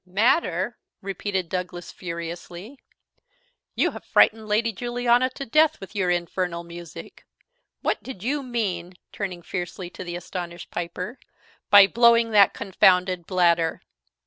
"Matter!" repeated Douglas furiously; "you have frightened Lady Juliana to death with your infernal music. What did you mean," turning fiercely to the astonished piper, "by blowing that confounded bladder?"